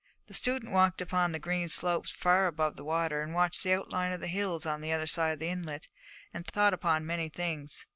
The student walked upon green slopes far above the water, and watched the outline of the hills on the other side of the inlet, and thought upon many things.